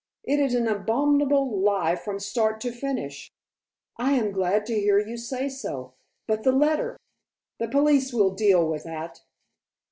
It is an abominable lie from start to finish." "I am glad to hear you say so. But the letter?" "The police will deal with that."